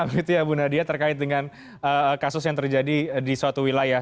begitu ya bu nadia terkait dengan kasus yang terjadi di suatu wilayah